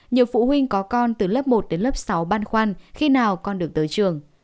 nhiều phụ huynh có con từ lớp một đến lớp sáu băn khoăn khi nào con được tới trường